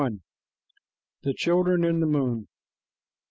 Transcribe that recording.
THE CHILDREN IN THE MOON.